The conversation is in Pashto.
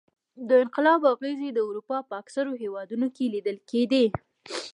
د انقلاب اغېزې د اروپا په اکثرو هېوادونو کې لیدل کېدې.